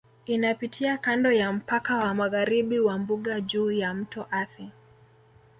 Inapitia kando ya mpaka wa magharibi wa Mbuga juu ya Mto Athi